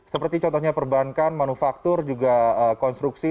seperti contohnya perbankan manufaktur juga konstruksi